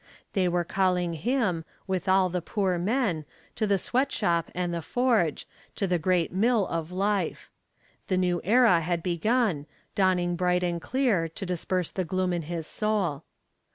They were calling him, with all poor men, to the sweat shop and the forge, to the great mill of life. The new era had begun, dawning bright and clear to disperse the gloom in his soul.